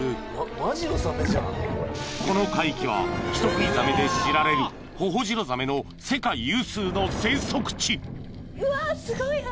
［この海域は人食いザメで知られるホホジロザメの世界有数の生息地］